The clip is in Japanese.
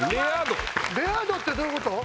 レア度ってどういうこと？